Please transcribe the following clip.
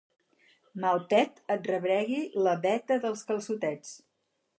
Mal pet et rebregui la beta dels calçotets!